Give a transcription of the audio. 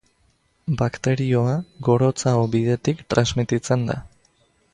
Bakterioa gorotz-aho bidetik transmititzen da.